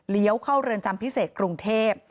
เลี้ยวเข้าเรือนจำพิเศษกรุงเทพฯ